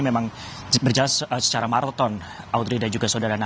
memang berjalan secara maraton audrey dan juga saudara nana